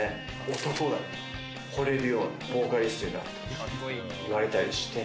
男がほれるようなボーカリストになってほしいって言われたりして。